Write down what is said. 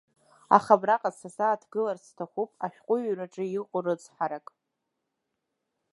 Аха абраҟа сазааҭгыларц сҭахуп ашәҟәыҩҩраҿы иҟоу рыцҳарак.